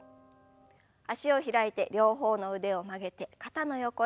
脚を開いて両方の腕を曲げて肩の横へ。